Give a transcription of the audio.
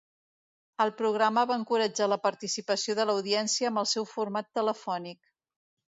El programa va encoratjar la participació de l'audiència amb el seu format telefònic.